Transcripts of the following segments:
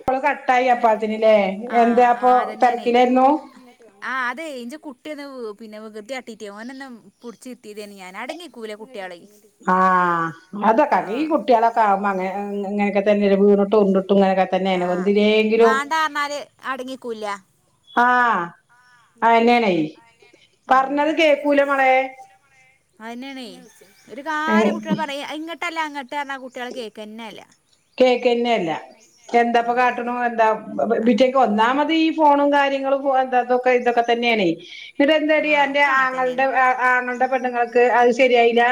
ഇപ്പോള് കട്ടായി അപ്പാത്തിനില്ലേ എന്താ ആഹ് അപ്പൊ ആഹ് അതന്നെയാണേ തിരക്കിലായിരുന്നു ആഹ് അതെ ഇജ്ജ് കുട്ടിന്ന് പിന്നെ വികൃതി കാട്ടിട്ട് ഓനെന്ന പൊടിച്ചിരുത്തിയതേനു ഞാൻ അടങ്ങിക്കൂല കുട്ടികള് ആഹ് അത കരയും കുട്ടികളൊക്കെ ആവുമ്പോ അങ്ങനെ ഇങ്ങനക്കെ തന്നെ വീണട്ടും ഉരുണ്ടിട്ടും ഇങ്ങനെ ആഹ് വേണ്ട പറഞ്ഞാല് അടങ്ങിക്കൂല്ല ആഹ് ആഹ് അതെന്നെയാണേ അതെന്നയാണ് പറഞ്ഞാലും പറഞ്ഞത് കേക്കൂല മോളെ കേൾക്കൂല മോളേ അതെന്നയാണേ ഒരു ഉം കാര്യം കുട്ടികള് പറയാ ഇങ്ങട്ടല്ല അങ്ങട്ടാന്ന് പറഞ്ഞാല് കുട്ടികൾ കേൾക്കന്നെ ഇല്ല കേക്കെന്നെയില്ല എന്തപ്പ ആഹ് കാട്ടണ് എന്താ ആഹ് [unintelligible] ഒന്നാമത് ഈ ഫോണും കാര്യങ്ങളും എന്തതൊക്കെ ഇതൊക്കെ തന്നെയാണെ ഇത് എന്തടി ആഹ് എന്റെ ഒക്കെ അങ്ങനെ തന്നെയാണ് ആങ്ങളുടെ ആങ്ങളുടെ പെണ്ണുങ്ങൾക്ക് അത് ശരിയായില്ല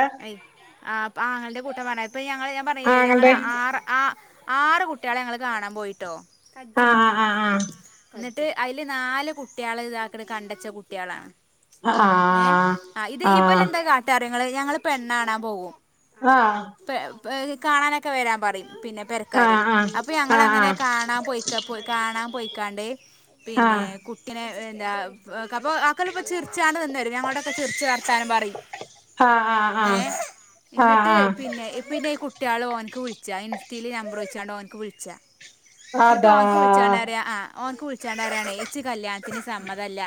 ആ ആങ്ങളുടെ കൂട്ടം പറഞ്ഞ ഇപ്പൊ ഞങ്ങള് ഞാൻ പറഞ്ഞില്ലേ ഞങ്ങള് ആങ്ങളുടെ ആറ് ആഹ് ആറ് കുട്ടികളെ ഞങ്ങൾ കാണാൻ പോയിട്ടോ ആഹ് ആഹ് ആഹ് ആഹ് ഇത് അതിൽ നാല് കുട്ടികൾ ഇതാക്ക കണ്ടച്ച കുട്ടികളാണ് ഏഹ് ആഹ് ആഹ് ഇത് ഇവള് എന്താ കാട്ടറിയങ്ങള് ഞങ്ങള് പെണ്ണ് കാണാൻ പോകും ആഹ് പെ കാണാനൊക്കെ വരാൻ പറയും പിന്നെ പെരക്കാര് ആഹ് അപ്പൊ ഞങ്ങള് അങ്ങനെ ആഹ് കാണാൻ പോയിക്ക കാണാൻ പോയിക്കാണ്ട് പിന്നെ കുട്ടിനെ എന്താ അപ്പോ ആക്കല്ലപ്പോ ചിരിച്ച് എന്നിട്ട് ആട നിന്ന് തരും ഞങ്ങളോടൊക്കെ ചിരിച്ച് വർത്താനം പറയും ആഹ് ആഹ് ആഹ് ഏഹ് ആഹ് ആഹ് എന്നിട്ട് ആഹ് പിന്നെ പിന്നെ ഈ കുട്ടികൾ ഓനിക്ക് വിളിച്ചാ ഇൻസ്റ്റയിൽ നമ്പർ വെച്ചാണ്ട് ഓനിക്ക് വിളിച്ചാ എന്നിട്ട് അതാ ഓന്ക്ക് വിളിച്ചാണ്ട് പറയാ ആഹ് ഓന്ക്ക് വിളിച്ചാണ്ട് പറയാണ് എനിച്ച് കല്ല്യാണത്തിന് സമ്മതമല്ല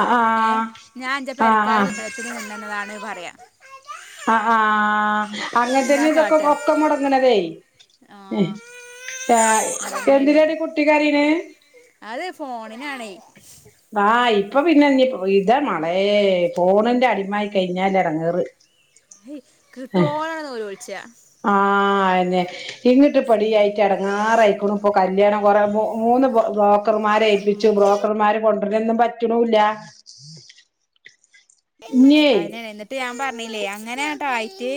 ആഹ് ഏഹ് ആഹ് ഞാൻ എന്റെ പെരക്കാര് ആഹ് [unintelligible] പറയാ ആഹ് ആഹ് എന്താ അങ്ങനെത്തന്നെ ഇതൊക്കെ കാട്ട ഒക്ക മുടങ്ങണതേ ആ ചായ് അതന്നെയാണേ എന്തിനാണ് കുട്ടി കരയണ്? അത് ഫോണിനാണെ? ആഹ് ഇപ്പൊ പിന്നെ ഇ ഇതാ മളേ ഫോണിന്റെ അടിമായി കഴിഞ്ഞാല് ഇടങ്ങേറ് കിട്ട്വോന്ന്ചോയിച്ചേയ- ആഹ് അതന്നെ ഇങ്ങിട്ട് ഉം പടിയായിട്ട് അടങ്ങാറായ്ക്കണു ഇപ്പൊ കല്യാണം കൊറെ മൂ മൂന്ന് ബ്രോക്കർമാരെ ഏൽപ്പി ച്ചു ബ്രോക്കർമാർ കൊണ്ടരൊന്നും പറ്റണുല്ല. [inaudible] അതന്നെ എന്നിട്ട് ഞാൻ പറഞ്ഞില്ലേ അങ്ങനാട്ടോ ആയിട്ട്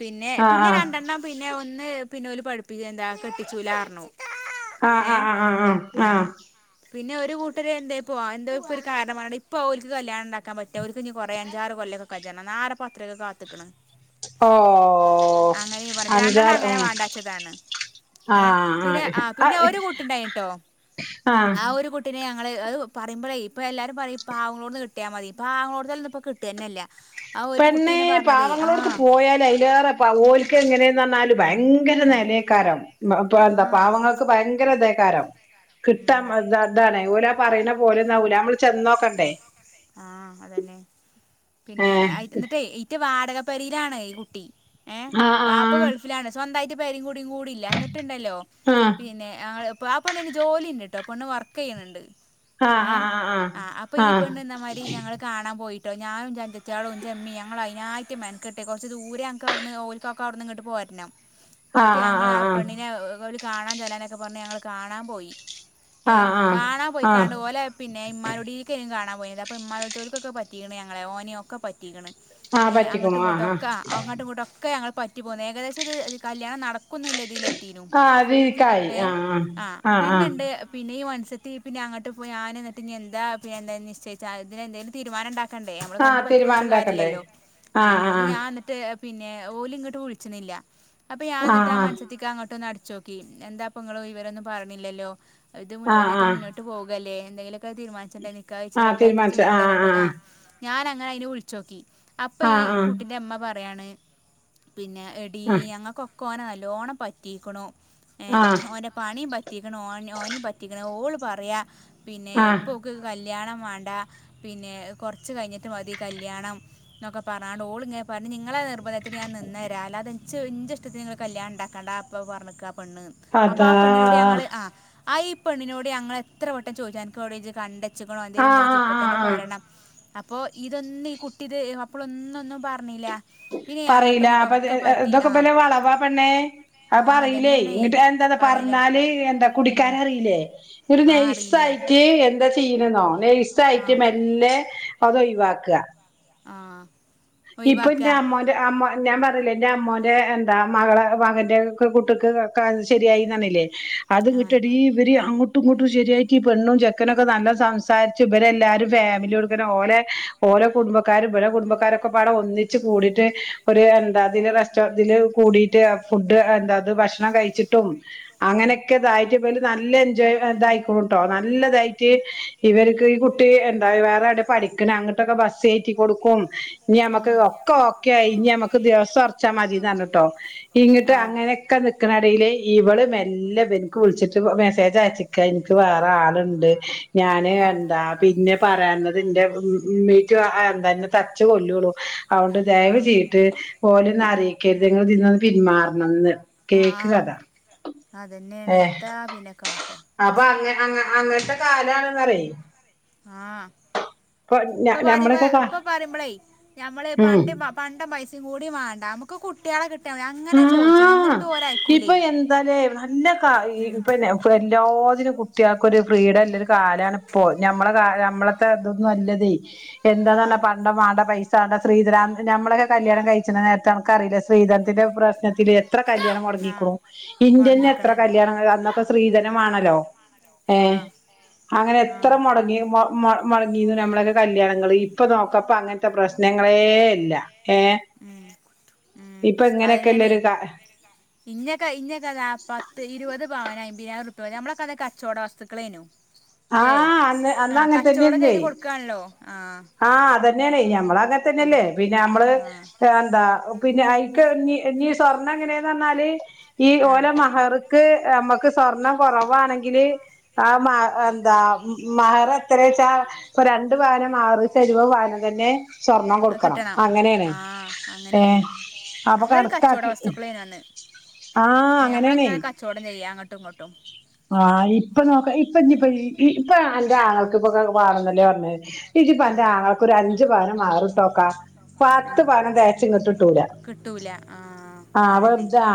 പിന്നെ പിന്നെ ആഹ് രണ്ടെണ്ണം പിന്നെ ഒന്ന് പിന്നോല് പഠിപ്പിക്ക എന്താ കെട്ടിച്ചൂലാണാറഞ്ഞു ഏഹ് ആഹ്. പിന്നെ ഒരു കൂട്ടര് എന്താപ്പൊ ആ ഒരു കാരണ ഇപ്പൊ ഒല്ക്ക് കല്യാണം ഉണ്ടാക്കാൻ പറ്റാ ഒരു ഇ കുറേ അഞ്ചാറ് കൊല്ലൊക്കെ കജ്ണ്ണം ആരപ്പാത്രൊക്കെ കാത്തക്കണ്. ആഹ് ഓഹ് അങ്ങനെ റഞ്ഞ് രണ്ടെണ്ണം അഞ്ചാറ് അങ്ങനെ ഉം വേണ്ടച്ചതാണ്. ഏഹ് ആഹ് പിന്നെ ആ ആഹ് പിന്നെ ആഹ് ഒരു കുട്ടിണ്ടായിട്ടോ ആഹ് ആ ഒരു കു പിന്നെ ഞങ്ങള് അത് പറയ്മ്പളേ ഇപ്പൊ എല്ലാരും പറയും പാവങ്ങളോട്ന്ന് കെട്ട്യാൽ മതി പാവ അത് ലേ ഇപ്പോ കിട്ടനേല്യാ തന്നേ പാവങ്ങളോടുക്ക് പോയാല് അതിലേറെ പ ഓല്ക്ക് എങ്ങനെന്ന് പറഞ്ഞാല് ഭയങ്കര ഉം നേ നേക്കാരം ഇപ്പോ ആ എന്താ പാവങ്ങൾ ഭയങ്കരം തേക്കാരം കിട്ട ഉം അതാണ് ഓല് പറയുന്ന പോലെയൊന്നാവൂല നമ്മള് ചെന്നോക്കണ്ടേ ആഹ് ആ അതന്നെ പിന്നെ ആയ് ഏഹ് എന്നിട്ടേ റ്റ് വാടകപ്പൊരെയിലാണ് ഈ കുട്ടി ഏഹ് വാപ്പ ആഹ് ഗൾഫിലാണ് സ്വന്തായിട്ട് പേരേം കൂടിയും കൂടി ല്ല അന്നട്ടുണ്ടല്ലോ ആഹ് പിന്നെ ഇപ്പൊ ആ പെണ്ണിന് ജോലി ഉണ്ട്ട്ടോ പെണ്ണ് വർക്ക് ചെയ്യണ് ണ്ട് ആഹ് ആ ആ ആഹ്. ആഹ് അപ്പ ഈ പെണ്ണ് ന്ന മാതിരി ഞങ്ങള് കാണാൻ പോയി ഞാനുന്റെജത്ത്യാളും ന്റമ്മിം ഞങ്ങളായിനായിട്ട് മെനക്കട്ടേ കൊറച്ച് ദൂരേഞങ്ങട്ന്ന് ഓല് ക്കാക്ക് അവിടെന്നങ്ങട്ട് പോരണം. എന്നിട്ട് ആഹ് ആഹ് ഞങ്ങളാ ആഹ് പെണ്ണിനെ ഓര് കാണാൻ ചെല്ലാനൊക്കെ പറഞ്ഞ് ഞങ്ങള് കാണാൻ പോയി ആഹ് ഏഹ് ആഹ് കാണാൻ ആഹ് ആഹ് പോയിക്കാണ്ട് ആഹ് ഓലേ പിന്നെ ഇമ്മാനേക്കൂടീര്ന്ന് കാണാൻപൊയത് അപ്പൊയിമ്മനൊട്ത്തൊക്കെപറ്റീയിക്കണ് ഞങ്ങളെ ഓനെയൊക്കെ പറ്റീയിക്കണ്. ആഹ് ഏഹ് അങ്ങട്ടും പറ്റിക്കുണു ആഹ് ഇങ്ങോട്ടൊക്കെ അങ്ങട്ടും ഇങ്ങോട്ടൊക്കെ ഞങ്ങള് പറ്റ റ്റ പോന്നേ ഏകദേശം ഇത് കല്യാണം നടക്കുന്നിലതില് ത്തീനു ആഹ് ആഹ് അത് ഇരിക്കായി ഏഹ് ആഹ് പിന്നെണ്ട് പിന്നെ ഈ മൻസത്തിൽ പിന്നെ അങ്ങട്ട് പോയി ഞൻ എന്നിട്ട് എന്താ എന്ത നിശ്ചച്ചാ അതിന് എന്തേലും തീരുമാനണ്ടാ കണ്ടേ നമ്മള് ആഹ് കണ്ട് പറ്റി പോന്നട്ട് തീരുമാനണ്ടാക്കണ്ടേ കാര്യല്ലല്ലോ ആ ആഹ് അയില് ആഹ് ഞാ പിന്നെ ഓലിങ്ങട്ട് വിളിച്ചണില്ല അപ്പൊ ഞാന്നിട്ട് ആ മ ആഹ് ക്ക് അങ്ങോട്ടൊന്ന് അടിച്ചോക്കി എന്താപ്പൊ ങ്ങള് വിവരൊന്നും പറഞ്ഞില്ലല്ലോ ഇത് മു ആഹ് ഇത് ആഹ് മുന്നോട്ട് ട്ട് പോകല്ലേ എന്തെങ്കിലൊക്കെ തീരുമാനിച്ചണ്ടേ നിക്കാഹൈച്ചന്തെങ്കും ചെയ്യണ്ട യിദേയ്യറാണ്ട് ആഹ്- ഞാൻ അങ്ങനെ അയിനെ വിളിച്ചോക്കി അപ്പ ഈ ആഹ് ആഹ് കുട്ടിന്റെ ഇമ്മ പറയാണ് പിന്നെ എ ഡീ ഞങ്ങൾക്കൊക്കെ ഓന നല്ലോണം പറ്റീക്കണു ആഹ് ഏഹ് ആഹ് ഓനെ പണീം പറ്റീക്കണു ഓ ഓനെ പറ്റിക്കണു ഓള് പറയാ പിന്നെ ആഹ് ഇപ്പോ കല്ല്യാണം വേണ്ട പിന്നെ കൊറച്ച് കയിഞ്ഞിട്ട് മതി കല്യാണം. എന്നൊക്കെ പറാണ്ട് ഓളിങ്ങന് പറഞ്ഞ് നിങ്ങള നിർബന്ധത്തിന് ഞാൻ നിന്നരാ അല്ലാതെനിച്ച് ഇന്റെ ഇഷ്ടത്തിന് നിങ്ങള് കല്യാണണ്ടാക്കണ്ട. ഇപ്പൊ പറഞ്ഞക്ക ആ പെണ്ണ് അപ്പ അതാ ആ പെണ്ണിനൂട് ഞങ്ങള് ആഹ് ആയീ പെണ്ണിനോട് ഞങ്ങൾ എത്ര വട്ടം ചോദിച്ചുനക്ക് ജ് വിടേകണ്ട് ച്ചുക്കണോ ആഹ് എന്തേങ്കിലുണ്ടെങ്കി ജ്ജ് ആഹ് ഇപ്പ ത്തന്ന ആഹ് ആഹ് പറേണം അപ്പോ ഇതൊന്നും ഈ കുട്ടിയിത് അപ്പളൊന്നൊന്നും പറഞ്ഞില്ല. പിന്നെ അങ്ങോട്ടും പറയില ഇങ്ങോട്ടും അപ്പൊ ഇതൊ ഒക്കെ പറ്റി ഇതൊക്കെ ആ പോലെ വളവാ പെണ്ണ് അപ്പ ആ പറയില്ലേ അതന്നെയാണേ ഇങ്ങിട്ട് എന്താ പറയില്ല പറഞ്ഞാല് എന്താ ഉം കുടിക്കാനറിയില്ലേ? ഓര് ആ അറിയില്ലേ നൈസായിട്ട് എന്താ ചെയ്യണെന്നോ ആ നൈസായിട്ട് മെല്ലേ അതൊയിവാക്ക ആഹ് ഇപ്പൊ എന്റെ അമ്മ അമ്മ ഞാൻ പറഞ്ഞില്ലേ എന്റെ അമ്മോന്റെ എന്താ മകളെ പറഞ്ഞിട്ട് കുട്ടിക്ക് കാ ശെരിയായിന്നറിഞ്ഞില്ലേ ആ അതിങ്ങട്ടെടി ഇവര് അങ്ങോട്ടും ഇങ്ങോട്ടും ശരിയായിട്ട് പെണ്ണും ചെക്കനുക്കെ നല്ല സംസാരിച്ച് ഇവരെ എല്ലാരും ഫാമിലിയോടുക്കനെ ഓലെ ഓല കുടുംബക്കാരും ഇവാട കുടുംബക്കാരൊക്കെ പാട ഒന്നിച്ച് കൂടിയിട്ട് ഒരു എന്താതില് റെസ്റ്റോറന്റിൽ കൂടിട്ട് ഫുഡ് എന്താത് ഭക്ഷണം കഴിച്ചിട്ടും ഉം അങ്ങനെയൊക്കെ ഇതായിട്ട് ഇവര് നല്ല എൻജോയ് ഇതായിക്കണൂട്ടോ നല്ലതായിട്ട് ഇവർക്ക് ഈ കു കുട്ടി എന്താ വേറെ അവിടെ പഠിക്കണ അങ്ങട്ടൊക്കെ ബസ് കയറ്റി കൊടുക്കും ഇനി ആ ഞമക്ക് ഒക്കെ ഓക്കെയായി ഇനിഞമ്മക്ക് ദിവസം ഒറച്ചാ മതിന്ന് പറഞ്ഞുട്ടോ ഇങ്ങിട്ട് ആ അങ്ങനെ ക്കെ നിക്കണെടയിലേ ഇവള് മെല്ല വിളിച്ചിട്ട് മെസ്സേജ് അയച്ചിക്ക ഇനിക്ക് വേറെ ആളുണ്ട് ഞാന് ആ എന്താ പിന്നെ പറയാനത് എന്റെ ഉ ഉമ്മീട്ട എന്തന്നെ തച്ച കൊല്ലുള്ളൂ അതുകൊണ്ട് ആ ദയവ് ചെയ്ത് പോലെയന്നും ഉം അറിയിക്കരുത് ങ്ങതിന്നന്ന് പിന്മാറണംന്ന് കേക്ക് ആഹ് കഥ അതന്നെണ് ഏഹ് എന്താ അ പിന്നെ കാട്ടാ അപ്പൊ അ അങ്ങനത്തെ കാലാണെന്ന് പറയി ആഹ് ഞ ഇപ്പൊ പറയുമോ ഞമ്മളൊക്കെ കാ ഇപ്പൊ പറയുമ്പളേ ഞമ്മള് ഉം പണ്ട് പണ്ട പൈസയും കൂടി വാണ്ട നമുക്ക് കുട്ട്യാളെ കിട്ടിയ മതി അങ്ങനെ ചോദിച്ചു ആഹ് നിന്നിട്ട് ഓര് അയക്കൂലേ. ഇപ്പൊ ഉം എല്ലാതിനും കുട്ട്യാൾക്കരു ഫ്രീഡംല്ലരു കാലണ് ഇപ്പോ ഞമ്മളെ നമ്മളത്തെ ഇതൊന്നും അല്ലതെ ആ എന്താന്നർഞ പ വേണ്ട പൈസ ശ്രീധനം ഞമള് കല്യാണം കഴിച്ച നേരത്തെ അനക്കറില്ലേ ശ്രീധന ൻ്റെ പ്രശ്നത്തിൽ എത്ര കല്യാണം ആ മുടങ്ങിക്കുണു. യിൻ്റെന്നെ എത്ര മുടങ്ങിക്കണ് കല്യാണം സ്ത്രീധനമാണല്ലോ ഏഹ് ആ അങ്ങനെ എത്ര ആഹ് മൊടങ്ങി മടങ്ങീന്ന് നമ്മളൊക്കെ കല്യാണങ്ങള് ഇപ്പൊ നോക്കപ്പ അങ്ങനത്തെ പ്രശ്നങ്ങളേ ഇല്ല. ഏഹ് ഉം ഉം ഇപ്പൊ അയ്നാണ് ഇങ്ങനെയൊക്കെല്ലൊരു കാ ഇന്നൊക്കെ ഇന്നക്ക ത പത്ത് ഇരുപത് പവന അയ്മ്പയ്നായിര ഉരുപ്യ വരെ നമ്മളക്കെ കച്ചവട വസ്തുക്കളേനു ല്ലേ ആഹ് അന്ന് അന്ന് ആഹ് അങ്ങനെ കച്ചവടം തന്നെയായിരുന്നേ ചെയ്ത് കൊടുക്കാണല്ലോ. ആഹ് ആഹ് അതന്നെണേ നമ്മൾ അങ്ങനെ തന്നെല്ലേ. പിന്നെ നമ്മള് ആഹ് എന്താ പിന്നെ ഐക്ക നീ സ്വർണ്ണം എങ്ങനെയന്ന് പറഞ്ഞാല് ഈ ആഹ് ഓല മഹർ നമക്ക് സ്വർണം കുറവാണെങ്കിൽ ആ മാ എന്താ മഹറ് എത്രച്ച ഇ രണ്ടു പവൻ്റെ മാറ് വനം തന്നെ സ്വർണം അത് കൊടുക്കണം. കിട്ടണം അങ്ങനെയാണ്, ആഹ് ഏ അങ്ങനെയാണ് ഹ് നമ്മളൊരു കച്ചവട വസ്തുക്കളേനന്ന് ആഹ് അങ്ങനെയാണേ നമ്മളങ്ങനെ കച്ചവടം ചെയ്യാ അങ്ങോട്ടും ഇങ്ങോട്ടും. ആഹ് ഇപ്പൊ നോക്ക ഇപ്പ ഇനിയിപ്പ ഇപ്പൊ എന്റെ ആങ്ങൾക്കിപ്പൊ വെണന്നല്ലേ പറഞ് ഇജിപ്പന്റെ ആഹ് ആങ്ങൾക്കൊരു അഞ്ചുപവൻ്റെ മാറിട്ടോക്കാ പത്ത് ആഹ് പവൻ തേകച്ച് ഇങ്ങട്ടിട്ടൂല. കിട്ടൂല ആഹ് അതന്നെ അവർതാ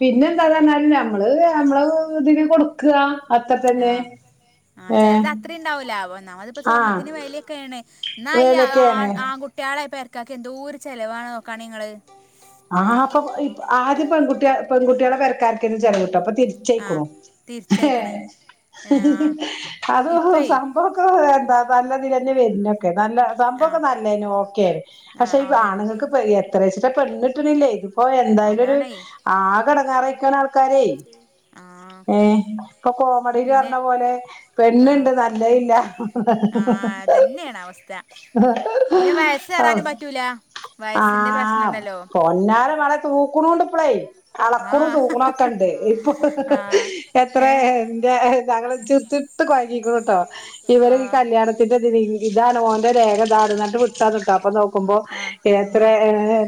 പിന്നെ എന്താന്നർഞാല് നമ്മള് നമ്മള് ഇതിന് കൊടുക്ക അത്ര തന്നെ. ഏഹ്. ണ്ടാവില്ല നമ്മപ്പ ആഹ് സ്വർണത്തിന് വിലൊക്കെ ന്നാ ഈ വേലൊക്കെയാണ് ആണ്. കുട്യാളെ പേര്കാർക്ക എന്തോരു ചിലവാണ് നോക്കാണി ങ്ങള് ആഹ് അപ്പൊ ആദ്യം പെൺകുട്ടി പെൺകുട്ടളെ പെരക്കാർക്കായിരിക്കും ചിലവ്ട്ടാ അപ്പൊ ആ തിരിചൈക്കണു. തിരിച്ചയക്കണ് ഏ, ആ അതോ ഇപ്പേ ഇക്കൊ വേണ്ട നല്ലതിൽന്നെ വരുന്നു. ഓക്കെ നല്ല സംഭവം ആ ഒക്കെ നല്ലന് ഓക്കെ ആ പക്ഷെ ഓക്കെ ആണുങ്ങൾക്ക് എത്രശ പെണ് കിട്ടിണില്ലേ ഓഹ് എന്തായാലും ഒരു അതാണേ ആ ക ഘടങ്ങാറയിക്കൻ ആൾക്കാരെയ് ആ ഏ ഹ് ഇപ്പൊ കോമഡിൽ പിന്നെ പറഞ്ഞ പോലെ ഇപ്പ ആ പെണുണ്ട്. നല്ലല്ല. ആ അതന്നെയാണ് അവസ്ഥ പിന്നെ വയസ്സ് ആഹ് കയറാനും പറ്റൂല വയസ്സിന്റെ പ്രശ്നം ണ്ടല്ലോ? പൊന്നാല വള തൂക്കണണ്ട് ഇപ്പളൈ ആ അലക്കൂറ തൂക്കണക്കെണ്ട് ഇപ്പൊ ആ എത്ര ഏ ഞങ്ങള് ചിറി ചിട്ട് കോഴഞ്ഞിരിക്കണ് ട്ടോ ഇവര് ആ ഈ കല്യാണത്തി ത്തിന്റെ ഇതാണ് ഓന്റെ രേഖതാണുന്നിട്ട് വിടുത്താ നട്ടും അപ്പൊ നോക്കുമ്പോ ആ എത്ര ആ ഏ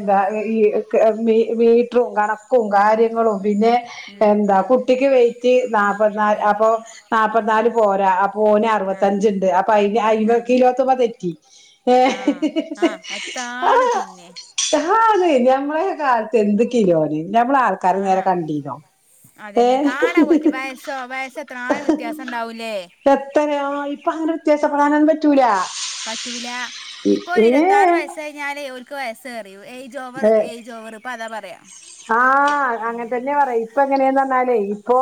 മീറ്ററും കണക്കു കാര്യ പിന്നെ ഉം, എന്താ ഉം, കുട്ടിക്ക് വെറ്റ് നാപ്പത്തിനാല് ഉം. അപ്പൊ ഉം നാല്പത്തിനാല് പോരാ ആപ്പോ ആഹ് അറുപത്തഞ്ച്ണ്ട് അപ്പൊ ആഹ് ഇപക്കരുപത്തിയഞ്ച് തെറ്റി ഏ ആഹ് ആഹ് ആ അതാണ് പിന്നെ ഹ ആതെ ഞമ്മളെ കാലത്ത് എന്തൊക്കിലോന് ഞമ്മള് ആൾക്കാരെ നേരെ ആഹ് കണ്ടീനോ ഏ അതന്നെ കാണാൻ പോയിട്ട് വയസ്സോ വയസ്സത്ര ആനും വ്യത്യാസം ഉണ്ടാവൂലേ? എത്രയോ ഇപ്പൊ അങ്ങനെ വ്യത്യാസം പറാനൻ പറ്റും റ്റൂലാ. പറ്റൂല ഇപ്പൊ ഒരു ഇരുപതാറ് വയസ്സായി ഞാൻ ഓക്ക് വസ്സ് കറിയൂ യ്ജ് ഓവർ യ്് ഓവർ ഇപ്പൊ അതാ പറയാം. ആഹ അങ്ങനെ തന്നെ പറയാ ഇപ്പൊ എങ്ങനെയന്ന് പറഞ്ഞാലേ ഇപ്പൊ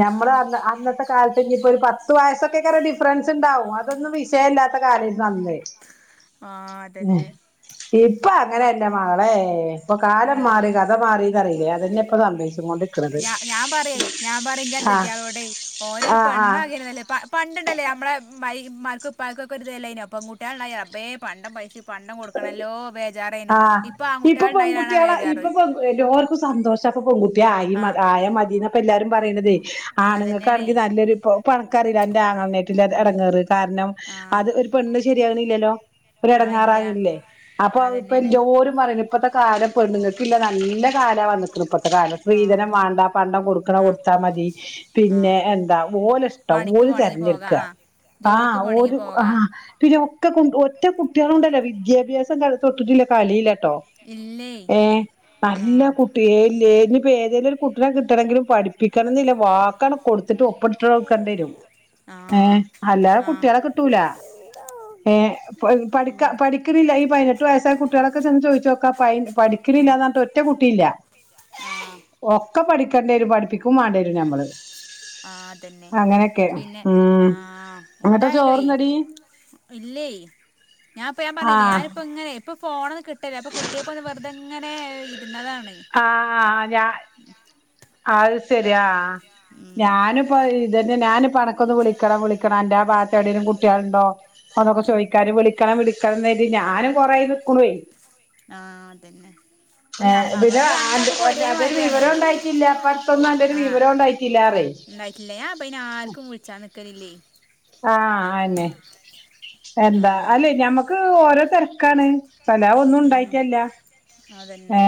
ഞമ്മള് അന്നത്തെ കാലത്ത് ഇനിയിപ്പോൊ ഒരു പത്ത് വയസ്സൊക്കെക്കറ ഡിഫറൻസ് ഉണ്ടാവും. അതൊന്നും വിഷയമല്ലാത്ത കാര്യം നല്ലേ ആ തന്നെ ഇപ്പൊ അങ്ങനെയല്ല മകളെ ഇപ്പൊ കാലം മാറി ക കൊണ്ടിക്കണത് ഞ ഞാൻ പറയ ഞാൻ പറയും ന്റെ ആഹ് അഞ്ചത്തിയാളോടെ ഓനരു ആഹ് പെണ്ണ ആഹ് അഗർണല്ലേ ഇപ്പൊ ൺ പണ്ടുണ്ടല്ലേ നമ്മുടെ മ മർക്കപ്പർക്കൊക്കെ ഒരുരിതല്ലായിന പെകുട്ടികളുണ്ടായി റബീ പണ്ട പൈസ പണ്ടം കൊടുക്കണല്ലോ ബേജാറനും ആഹ് ഇപ്പൊ ആൺകുട്ടിളുണ്ടായലാണ ബേജാറ്. എല്ലേർക്കും സന്തോഷം പ അപ്പൊ പെൺകുട്ടി ആയി ആഹ് ആയ മതിീന്നപ്പ എല്ലാരും പറയണതേ അതന്നെയാണേ ആണുങ്ങൾക്കാണെങ്കി നല്ലൊരു ഇ പണക്കറില്ല എൻന്റെറെ ആങ്ങണായിട്ടത് ഉം ഇടങ്ങറ് കാരണം ആഹ് അത് ഒരു പെണ് ശരിയാകണില്ലല്ലോ? ആഹ് ഇല്ല ഓരടങ്ങാറാകില്ലേ അപ്പൊ ഇപ്പ അതന്നെയാണ് ല്ലോരും പറയണ ഇപ്പത്തെ കാലം പെണ്ണിങ്ങള്ക്കില്ല നല്ല കാല വന്നിക്കണ ഇപ്പത്തെ കാല ആഹ് സ്ത്രീധനം വേണ്ട പണ്ടം കൊടുക്കണ ആഹ് കൊടുത്താ മതി പിന്നെ ആഹ് എന്താ ഓല ഇഷ്ടം ഓ പണിക്ക് പോണെങ്കി പോകാ തിരഞ്ഞെടുക്കുക ആഹ് ആ ജോലിക്ക് പോണെങ്കി ആ പോകാ പിന്നെ ഒക്കെ കൊ ഒറ്റ കുട്ടികള കൊണ്ടല്ലോ വിദ്യാഭ്യാസം ക തൊട്ടട്ടില്ല ട്ടോ ഇല്ലേ ഏ നല്ല ആഹ് കുട്ട ഇല്ല ഇനിയിപ്പ ഏതങ്കലും ഒരു കുട്ടിനെിട്ടണെങ്കിലും പഠപ്പ പ്പിക്കണന്നില്ല വാക്കാണ് കൊടുത്തിട്ട് ഒപ്പിട്ട് വടുക്കേണ്ടി വരും. ഏഹ് ആഹ് ആഹ് ഏ ഉം പഠിക്ക പഠിക്കുന്നില്ല ഈ പതിനെട്ട് വയസ്സായ കുട്ടി കുട്ടികളൊക്കെ ചെന്ന് ചോദിച്ച നോക്ക പ ഉം പഠിക്കുന്നില്ലന്ന്ഞ്ഞട്ട് ഒറ്റ കുട്ടിയില്ല. ആഹ് ഒക്കെ പഠിക്കേണ്ടരും പഠിപ്പിക്കും വേണ്ടേും നഞമ്മള്. ആ അതന്നെ പിന്നെ ആ ഉം എന്നിട്ട് എന്തായാലോ ചോറുന്നടി ഇല്ലേ ഞാൻപ്പൊ ഞാൻ പറഞ്ഞില്ലേ ആഹ് ഞാനിപ്പ ഇങ്ങനെ ഇപ്പൊ പോോണന്ന് കിട്ടില്ലേ അപ്പൊ കിട്ടിയപ്പോ വെറുതെ ഇങ്ങ ങ്ങനെ ഇരുന്നതാണ്. ആഹ് ആഹ് ഞ അത് ശരിയാ ഉം ഞാനും. പ്പൊ ഇതന്നെ ഞാന്പണക്കൊന്ന് വിളിക്കണം വിളിക്കണം അന്റെ ഭാഗത്തെ എവിടെേലും കുട്ടികളുണ്ടോ അന്നൊക്കെ ഉം ചോദിക്കും വിളിക്കണം വിളിക്കണംന്ന് കര്ത്തി ഞാനും കൊറേ നിക്കണഒയ്. ആഹ അതന്നെ അപ്പ പിന്ന അന്റൊരു വിവരോം ണ്ടായിട്ടില്ല ഇപ്പോടതൊന്നും അന്റെരു വിവരം ഉണ്ടായിട്ടില്ല അറേ. ഉണ്ടായിട്ടില്ല ഞാപ്പയ്നെ ആർക്കും വിളിച്ചാൻ നിക്കലില്ലേ. ആഹ അന്നെ എന്താ ആഹ് അല്ലെ ഞമ്മക്ക് ഓരോ തിരക്കാണ്. അല്ലവ ഒന്നും ഉം ഉണ്ടായിട്ടല്ല അതന്നെ ഏ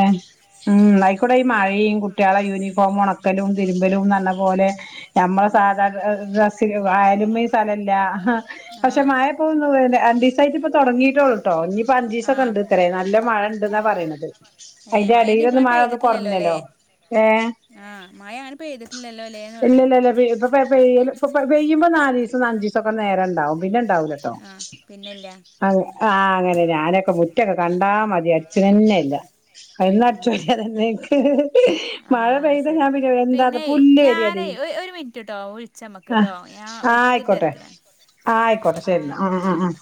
ഉം അയിക്കൂടെ ഈ മഴയും കുട്ടികളെ യൂണിഫോം ഒണക്കലും തിരുമ്പലും നന്ന പോലെ നഞമ്മള ഉം സാധാരണ ഡസ് അയലുമിം സ്ഥലല്ല. ആ പക്ഷെ മായപ്പോ ഒ രണ്ടീസയിട്ട് ഇപ്പ തുടങ്ങിയിട്ടോളൂ. ട്ടോ ഇഞ്ഞിപ്പോ അഞ്ചിസൊക്കെ ആഹ് ണ്ടത്ര നല്ല മഴ ഇണ്ട്ന്നാ പറയണത്. ഏഹ് അയിന്റെ മഴ ഇനി എടയിലൊന്ന് ഇപ്പ മഴൊന്ന് പെയ്തിട്ടില്ലല്ലോ ല്ലേ കുറഞ്ഞല്ലോ ഏ ആഹ് മഴണിപ്പോ പയ്തിട്ടില്ലല്ലോ ന്ന് പറയാം. [unintelligible] ഇ പെയ്യുമ്പോ നാലസം അഞ്ച ദസൊക്കെ നേരംണ്ടാവും പിന്നെ ഉണ്ടാവൂലട്ടോ. ആഹ് പിന്നെല്ല അ ആഹ് അങ്ങനെ ഞാനൊക്കെ മുറ്റൊക്കെ കണ്ടാ മതി അടി ച്ഛനന്നെല്ല. മരുന്ന് ആഹ് അടിച്ചോരിയല്ലേക്ക് മഴ ആഹ് അത് പെയ്ത ശരി ഞാൻ പിന്നെ എന്താ പിന്നെയ് പുല്ല് വരയാണ്. ഞാനേ ഒരു മിനിറ്റ്ട്ടോ വിള്ച്ചമ്മക്ക്‌ട്ടോ ഞാൻ ഒരുത്തിരിതെരക്കില. ആ ആയ്ക്കോട്ടേ ശരിന്ന ഹ ഹ